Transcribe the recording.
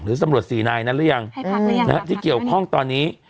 หรือตำรวจสี่นายนั้นหรือยังให้พักหรือยังนะฮะที่เกี่ยวข้องตอนนี้